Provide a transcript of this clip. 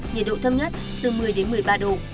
nhiệt độ thấp nhất từ một mươi đến một mươi ba độ